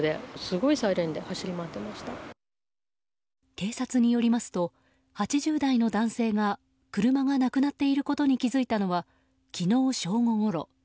警察によりますと８０代の男性が車がなくなっていることに気づいたのは昨日正午ごろ。